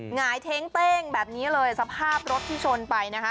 หงายเท้งเต้งแบบนี้เลยสภาพรถที่ชนไปนะคะ